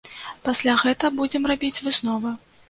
Пасля гэта будзем рабіць высновы.